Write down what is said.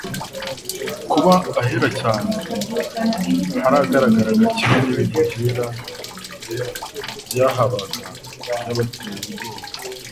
Kuba Ahera cyane haragaragaraga kimwe n'ibintu byera byahabaga byabateye ubwoba